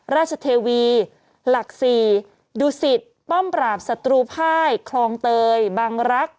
ราชเทวีหลัก๔ดุศิษย์ป้อมปราบสตุภาคคลองเตยบังรัก